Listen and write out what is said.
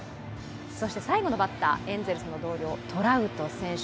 そして最後のバッター、エンゼルスの同僚・トラウト選手。